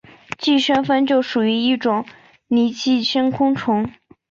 寄生蜂就属于一种拟寄生昆虫。